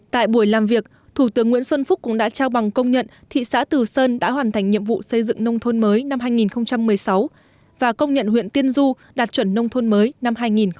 tại buổi làm việc thủ tướng nguyễn xuân phúc cũng đã trao bằng công nhận thị xã từ sơn đã hoàn thành nhiệm vụ xây dựng nông thôn mới năm hai nghìn một mươi sáu và công nhận huyện tiên du đạt chuẩn nông thôn mới năm hai nghìn một mươi tám